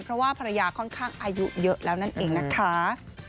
เพราะว่าภรรยาค่อนข้างอายุเยอะแล้วนั่นเองนะคะ